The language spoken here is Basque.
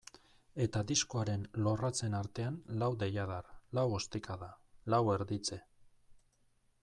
Eta diskoaren lorratzen artean lau deiadar, lau ostikada, lau erditze.